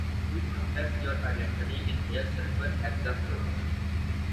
To protect your identity inhale sulfur hexafluoride.